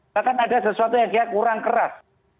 bahkan ada sesuatu yang kurang keras